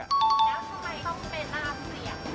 แล้วทำไมต้องไปลากเสียง